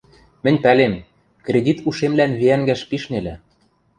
— Мӹнь пӓлем: кредит ушемлӓн виӓнгӓш пиш нелӹ.